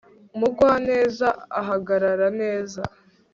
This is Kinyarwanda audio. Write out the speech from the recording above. Umugwaneza ahagarara neza